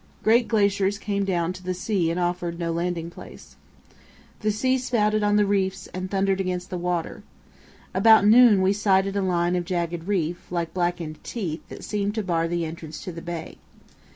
Great glaciers came down to the sea and offered no landing place. The sea spouted on the reefs and thundered against the shore. About noon we sighted a line of jagged reef, like blackened teeth, that seemed to bar the entrance to the bay.